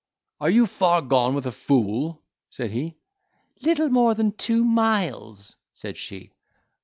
"Are you far gone with a fool?" said he. "Little more than two miles," said she.